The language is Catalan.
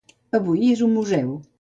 Avui és un museu.